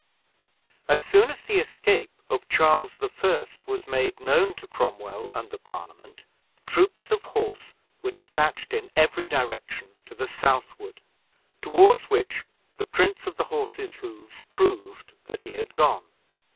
As soon as the escape of Charles I. was made known to Cromwell and the Parliament, troops of horse were dispatched in every direction to the southward, toward which the prints of the horses' hoofs proved that he had gone.